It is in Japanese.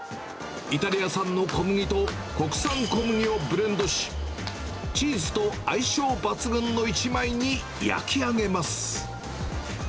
イタリア産の小麦と国産小麦をブレンドし、チーズと相性抜群の一枚に焼き上げます。